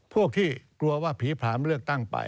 พวกที่กลัวว่าผีผลามเลือกตั้งไป